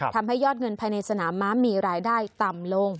ทำให้ยอดเงินภายในสนามม้ามีรายได้ต่ำลง